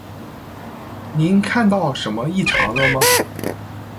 您看到什么异常了吗？